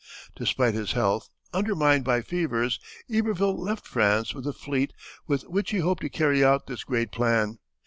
Despite his health, undermined by fevers, Iberville left France with a fleet with which he hoped to carry out this great plan.